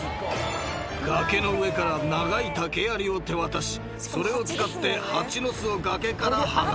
［崖の上から長い竹やりを手渡しそれを使って蜂の巣を崖から剥がす］